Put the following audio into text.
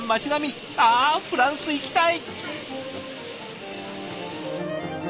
あフランス行きたい！